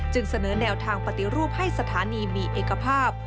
เสนอแนวทางปฏิรูปให้สถานีมีเอกภาพ